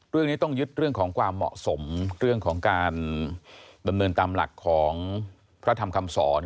เรื่องนี้ต้องยึดเรื่องของความเหมาะสมเรื่องของการดำเนินตามหลักของพระธรรมคำสอน